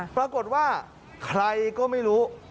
ปรากฏว่าใครก็ไม่รู้